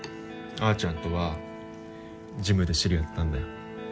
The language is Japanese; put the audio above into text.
あちゃんとはジムで知り合ったんだよ。